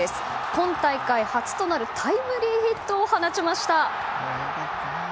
今大会初となるタイムリーヒットを放ちました。